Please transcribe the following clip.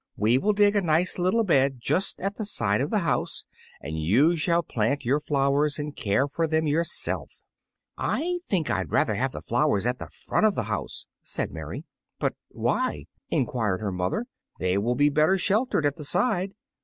We will dig a nice little bed just at the side of the house, and you shall plant your flowers and care for them yourself." "I think I'd rather have the flowers at the front of the house," said Mary. "But why?" enquired her mother; "they will be better sheltered at the side."